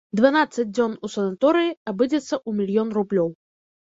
Дванаццаць дзён у санаторыі абыдзецца ў мільён рублёў.